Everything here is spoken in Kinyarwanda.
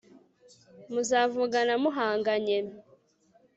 muzavugana muhanganye